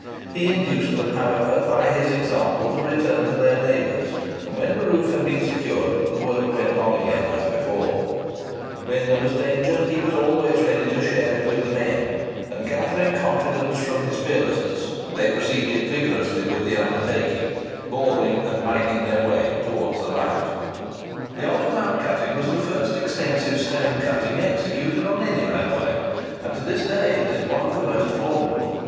He induced them, however, by his example, to return to their labours; and when the roof had been secured, the work went on again as before. When there was danger, he was always ready to share it with the men; and gathering confidence from his fearlessness, they proceeded vigorously with the undertaking, boring and mining their way towards the light. [Picture: Olive Mount Cutting] The Olive Mount cutting was the first extensive stone cutting executed on any railway, and to this day it is one of the most formidable.